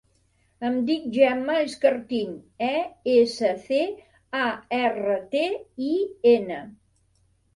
Em dic Gemma Escartin: e, essa, ce, a, erra, te, i, ena.